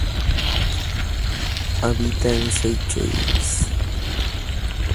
Habita en Seychelles.